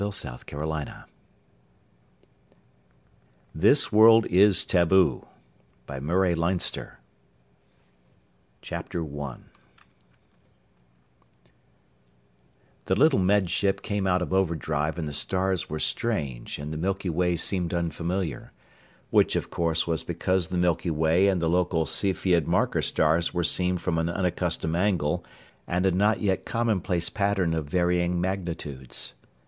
23 West 47th Street, New York 36, N. Y. THIS WORLD IS TABOO 1 The little Med Ship came out of overdrive and the stars were strange and the Milky Way seemed unfamiliar. Which, of course, was because the Milky Way and the local Cepheid marker stars were seen from an unaccustomed angle and a not yet commonplace pattern of varying magnitudes.